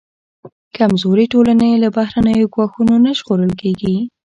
کمزورې ټولنې له بهرنیو ګواښونو نه ژغورل کېږي.